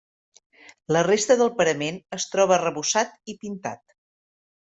La resta del parament es troba arrebossat i pintat.